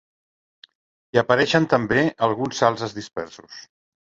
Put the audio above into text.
Hi apareixen també alguns salzes dispersos.